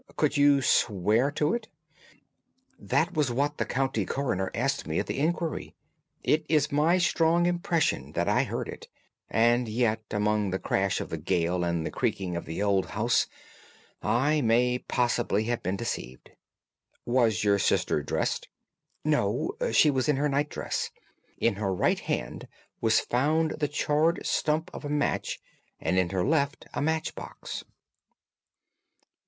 Could you swear to it?" "That was what the county coroner asked me at the inquiry. It is my strong impression that I heard it, and yet, among the crash of the gale and the creaking of an old house, I may possibly have been deceived." "Was your sister dressed?" "No, she was in her night dress. In her right hand was found the charred stump of a match, and in her left a match box."